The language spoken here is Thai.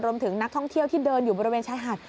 รวมถึงนักท่องเที่ยวที่เดินอยู่บริเวณชายหาด